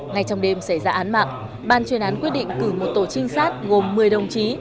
ngay trong đêm xảy ra án mạng ban chuyên án quyết định cử một tổ trinh sát gồm một mươi đồng chí